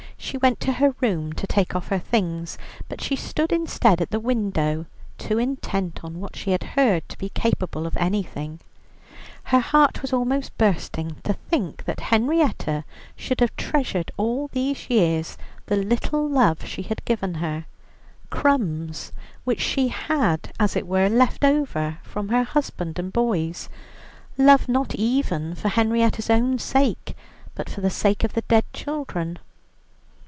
She went to her room to take off her things, but she stood instead at the window, too intent on what she had heard to be capable of anything. Her heart was almost bursting to think that Henrietta should have treasured all these years the little love she had given her, crumbs, which she had as it were left over from her husband and boys, love not even for Henrietta's own sake, but for the sake of the dead children.